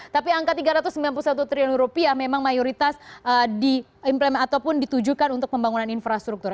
tapi angka tiga ratus sembilan puluh satu triliun rupiah memang mayoritas diimplemen ataupun ditujukan untuk pembangunan infrastruktur